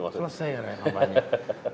jadi kampanye tidak terus menerus